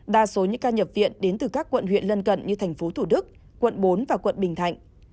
đa số những ca nhập viện đến từ các quận huyện lân cận như thành phố thủ đức quận bốn và quận bình thạnh